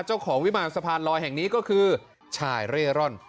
เจ้าของวิมารสะพานลอยแห่งนี้ก็คือชายเร่ร่อน